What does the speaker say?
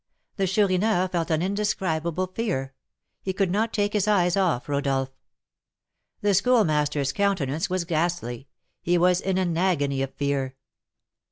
The Chourineur felt an indescribable fear; he could not take his eyes off Rodolph. The Schoolmaster's countenance was ghastly; he was in an agony of fear.